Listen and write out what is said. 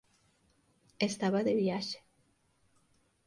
Estaba de viaxe.